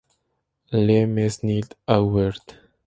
Le Mesnil-Aubert